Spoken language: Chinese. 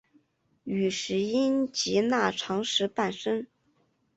与石英及钠长石伴生。